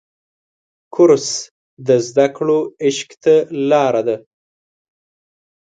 کورس د زده کړو عشق ته لاره ده.